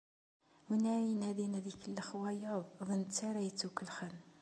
Winn ara inadin ad ikellex wayeḍ, d netta ara yettukellxen.